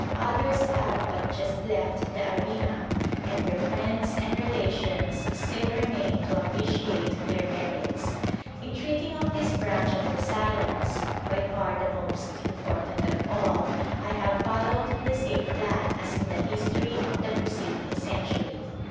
Others have but just left th< arena, and their friends and relations still remain t< appreciate their merits. In treating of this branch c the science (by far the most important of all) I hav followed the same plan as in the history of the precedin century.